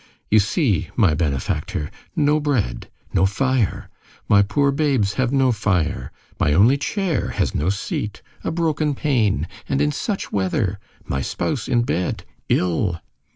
You see, my benefactor, no bread, no fire. My poor babes have no fire! My only chair has no seat! A broken pane! And in such weather! My spouse in bed! Ill!"